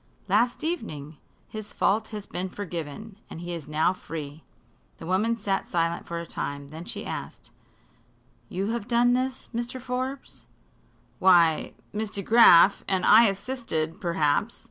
"Last evening. His fault has been forgiven, and he is now free." The woman sat silent for a time. Then she asked: "You have done this, Mr. Forbes?" "Why, Miss DeGraf and I assisted, perhaps.